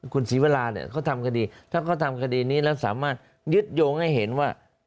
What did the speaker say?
คุณศรีวราเนี่ยเขาทำคดีถ้าเขาทำคดีนี้แล้วสามารถยึดโยงให้เห็นว่า